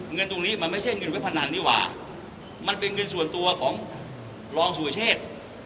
เงินตรงนี้มันไม่ใช่เงินเว็บพนันนี่หว่ามันเป็นเงินส่วนตัวของรองสุรเชษ